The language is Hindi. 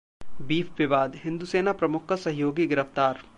बीफ विवाद: हिंदू सेना प्रमुख का सहयोगी गिरफ्तार